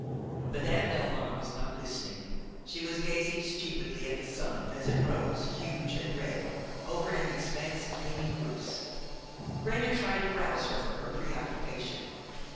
Madame Delmare was not listening; she was gazing stupidly at the sun, as it rose, huge and red, over an expanse of gleaming roofs. Raymon tried to rouse her from her preoccupation.